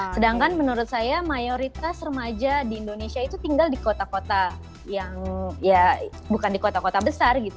sedangkan menurut saya mayoritas remaja di indonesia itu tinggal di kota kota yang ya bukan di kota kota besar gitu